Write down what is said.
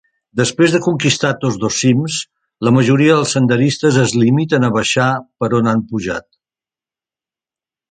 Després de conquistar tots dos cims, la majoria dels senderistes es limiten a baixar per on han pujat.